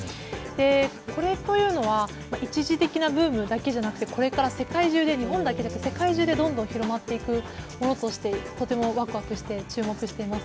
これというのは一時的なブームじゃなくてこれから日本だけじゃなく世界中でどんどん広まっていくものとしてとてもワクワクして注目しています。